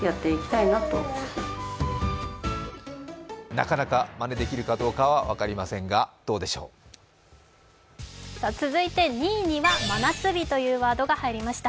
なかなかまねできるかどうかは分かりませんが、どうでしょう続いて２位には真夏日というワードが入りました。